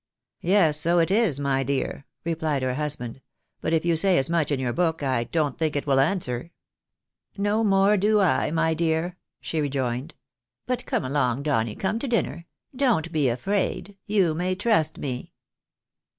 Yes, so it is, my dear," replied her husband. " But if you say as much in your book, I don't think it will answer." "No more do I, my dear," she rejoined; "but come along, Donny, come to dinner ; don't be afraid, you may trust me."